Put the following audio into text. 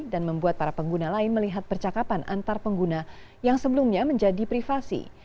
dan membuat para pengguna lain melihat percakapan antar pengguna yang sebelumnya menjadi privasi